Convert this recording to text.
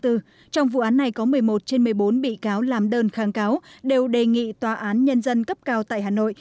trong vụ án này có một mươi một trên một mươi bốn bị cáo làm đơn kháng cáo đều đề nghị tòa án nhân dân cấp cao tại hà nội